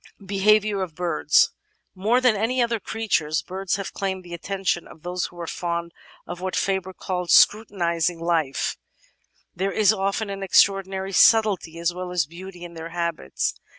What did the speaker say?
§ 16 Behaviour of Birds More than any other creatures, birds have claimed the atten tion of those who are fond of what Fabre called "scrutinising Natural History 445 life." There is often an extraordinary subtlety as well as beauty in their habits.